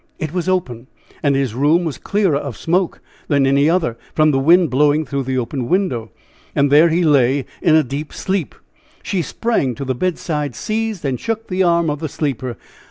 It was open, and his room was clearer of smoke than any other, from the wind blowing through the open window. There he lay in a deep sleep! She sprang to the bedside, seized and shook the arm of the sleeper.